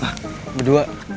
iya kamu orang berdua tunggu disini